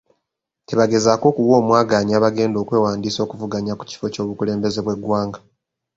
Tebagezako okuwa omwagaanya abagenda okwewandiisa okuvuganya ku kifo ky'obukulembeze bw'eggwanga.